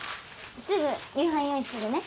すぐ夕飯用意するね。